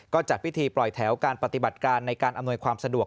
ก็จัดพิธีปล่อยแถวการปฏิบัติการในการอำนวยความสะดวก